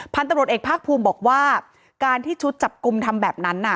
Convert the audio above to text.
พันธุ์ตำรวจเอกภาคภูมิบอกว่าการที่ชุดจับกลุ่มทำแบบนั้นน่ะ